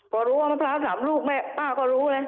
พอรู้ว่ามะพร้าว๓ลูกแม่ป้าก็รู้นะ